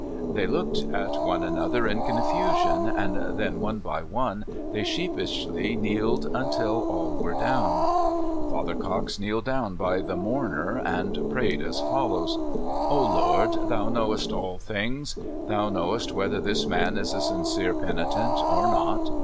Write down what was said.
They looked at one another in confusion, and then one by one they sheepishly kneeled until all were down. Father Cox then kneeled down by the " mourner," and prayed as follow^s :" O Lord, thou knowest all things. Thou know est whether this man is a sincere penitent or not.